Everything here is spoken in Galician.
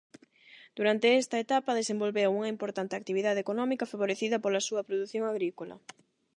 Durante esta etapa desenvolveu unha importante actividade económica favorecida pola súa produción agrícola.